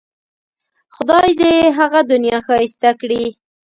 خدای دې یې هغه دنیا ښایسته کړي.